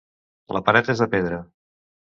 La paret és de pedra.